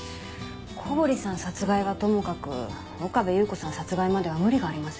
小堀さん殺害はともかく岡部祐子さん殺害までは無理がありません？